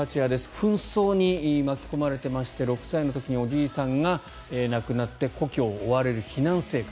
紛争に巻き込まれていまして６歳の時におじいさんが亡くなって故郷を追われる避難生活。